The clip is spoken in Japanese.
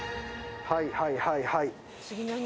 はいはいはいはい。